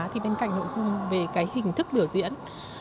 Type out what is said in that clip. thì bên cạnh nội dung về cái hình thức biểu diễn